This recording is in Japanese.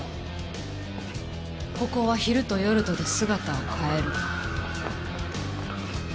ここは昼と夜とで姿を変える。